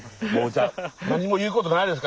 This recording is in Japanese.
じゃあ何も言うことないですか？